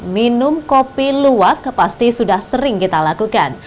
minum kopi luwak pasti sudah sering kita lakukan